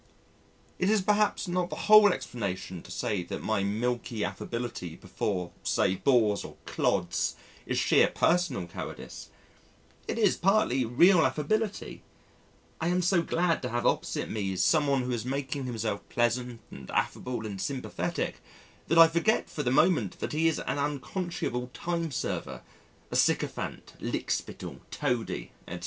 It is perhaps not the whole explanation to say that my milky affability before, say bores or clods is sheer personal cowardice.... It is partly real affability. I am so glad to have opposite me some one who is making himself pleasant and affable and sympathetic that I forget for the moment that he is an unconscionable time server, a sycophant, lick spittle, toady, etc.